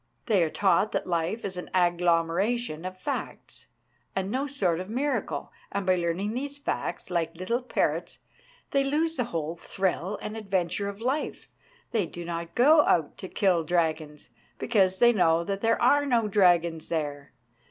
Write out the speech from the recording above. They are taught that life is an agglomeration of facts, and no sort of miracle, and by learning these facts like little parrots they lose the whole thrill and adventure of life. They do not go out to kill dragons, because they know that there are no dragons there.